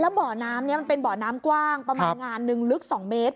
แล้วเบาะน้ำเนี้ยมันเป็นเบาะน้ำกว้างประมาณงานหนึ่งลึกสองเมตร